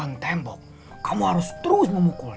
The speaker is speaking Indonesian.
aku buat kepengingan